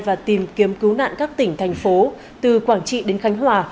và tìm kiếm cứu nạn các tỉnh thành phố từ quảng trị đến khánh hòa